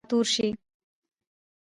ته به بیا د هند امپراطور سې.